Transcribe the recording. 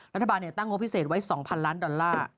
รัฐบาลตั้งงบพิเศษไว้๒๐๐ล้านดอลลาร์